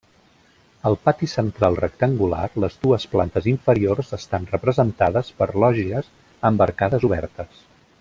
Al pati central rectangular, les dues plantes inferiors estan representades per lògies amb arcades obertes.